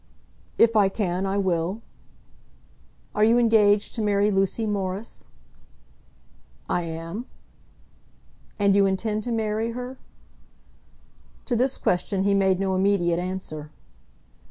"If I can, I will." "Are you engaged to marry Lucy Morris?" "I am." "And you intend to marry her?" To this question he made no immediate answer.